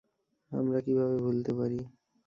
আমরা কিভাবে ভুলতে পারি?